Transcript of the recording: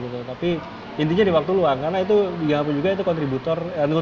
tapi intinya di waktu luang karena itu juga kontribusi yang sifatnya hobi